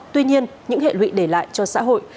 tuy nhiên những hệ lụy để lại cho xã hội